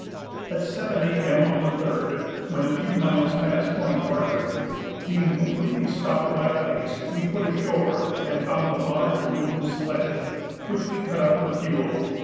At 7 A.M. on the 3rd, when a few miles past Point Hargrave, being completely stopped by ice, we put ashore and found a large wooden sledge, which we cut up for fuel.